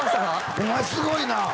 お前すごいな！